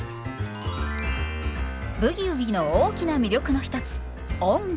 「ブギウギ」の大きな魅力の一つ音楽。